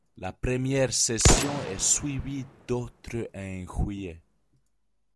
La première session est suivie d'autres en juillet.